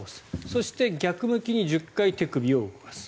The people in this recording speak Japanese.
そして、逆向きに１０回手首を動かす。